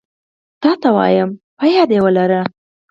تاته وايم په ياد يي ولره